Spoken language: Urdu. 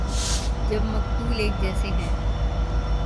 جب مقتول ایک جیسے ہیں۔